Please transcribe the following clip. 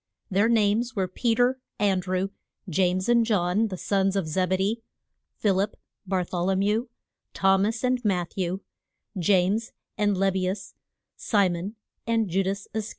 Their names were Pe ter, An drew, James and John, the sons of Zeb e dee, Phil ip, Bar thol o mew, Thom as and Matth ew, James and Leb be us, Si mon and Ju das Is ca ri ot.